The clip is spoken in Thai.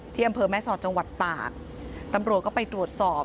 อำเภอแม่สอดจังหวัดตากตำรวจก็ไปตรวจสอบ